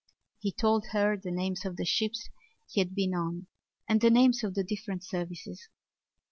He told her the names of the ships he had been on and the names of the different services.